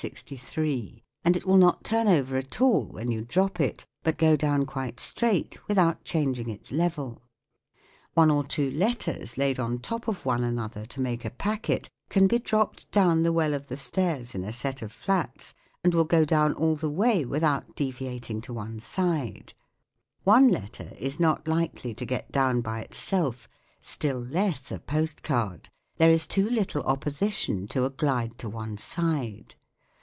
63 and it will SOUNDS OF THE COUNTRY 121 to get one side, down by not turn over at all when you drop it, but go down quite straight without changing its level. One or two letters laid on top of one another to make a packet can be dropped down the well of the stairs in a set of flats and will go down all the way without deviating One letter is not likely to itself, still less a post card : there is too little opposition to a glide to one side.